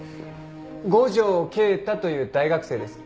五条慶太という大学生です。